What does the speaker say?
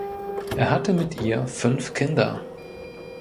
Er hatte mit ihr fünf Kinder.